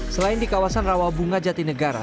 selain di kawasan rawa bunga jati negara